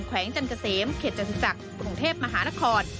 แขวงจันเกษมเขตจันทริสักปรุงเทพมหานคร